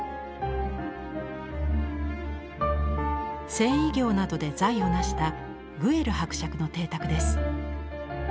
繊維業などで財を成したグエル伯爵の邸宅です。